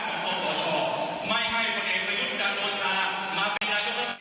แต่มันมีวิญญาณของพวกเองประยุทธยังอยู่กับเราก็ได้